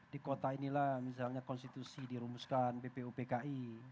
di kota inilah misalnya konstitusi dirumuskan bpupki